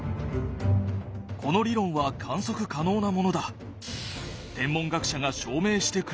この理論は観測可能なものだ。